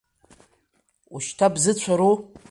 Ушьҭа бзыцәару?